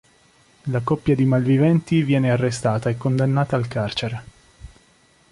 La coppia di malviventi viene arrestata e condannata al carcere.